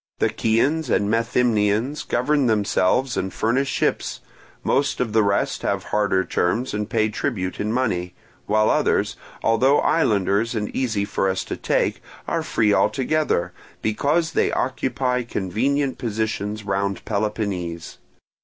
The Chians and Methymnians govern themselves and furnish ships; most of the rest have harder terms and pay tribute in money; while others, although islanders and easy for us to take, are free altogether, because they occupy convenient positions round Peloponnese.